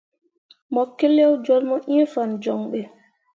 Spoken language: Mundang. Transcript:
Mo keleo jolle mu ĩĩ fan joŋ ɓe.